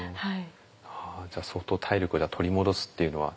じゃあ相当体力を取り戻すっていうのは。